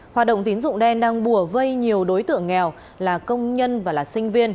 hoạt động tín dụng đen đang bùa vây nhiều đối tượng nghèo là công nhân và là sinh viên